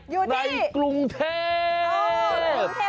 อยู่ที่ในกรุงเทพย์